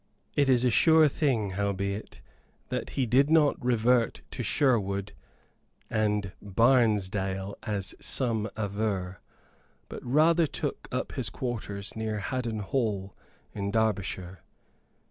It is a sure thing, howbeit, that he did not revert to Sherwood and Barnesdale as some aver, but rather took up his quarters near Haddon Hall, in Derbyshire.